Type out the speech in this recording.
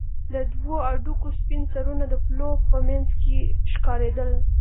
د دوو هډوکو سپين سرونه د پلو په منځ کښې ښکارېدل.